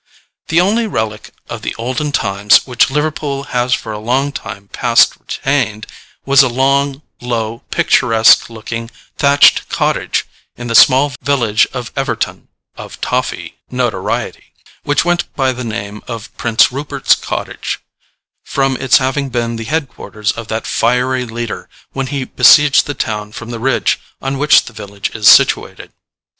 The only relic of the olden times which Liverpool has for a long time past retained, was a long, low, picturesque looking thatched cottage in the small village of Everton (of toffee notoriety), which went by the name of Prince Rupert's Cottage, from its having been the head quarters of that fiery leader when he besieged the town from the ridge on which the village is situated.